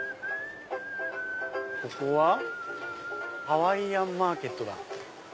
ここはハワイアンマーケットだ。